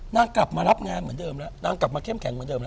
กลับมารับงานเหมือนเดิมแล้วนางกลับมาเข้มแข็งเหมือนเดิมแล้ว